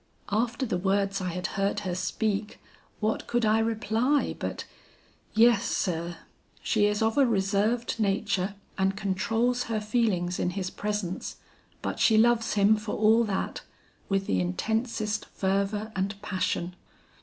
"After the words I had heard her speak, what could I reply but, 'Yes, sir; she is of a reserved nature and controls her feelings in his presence, but she loves him for all that, with the intensest fervor and passion.'